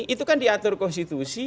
itu kan diatur konstitusi